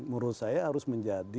menurut saya harus menjadi